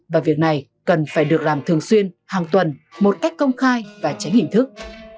và việc này cần phải được làm thường xuyên hàng tuần một cách công khai và tránh hình thức